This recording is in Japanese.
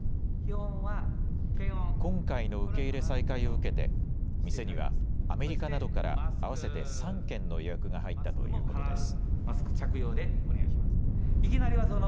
今回の受け入れ再開を受けて、店には、アメリカなどから合わせて３件の予約が入ったということです。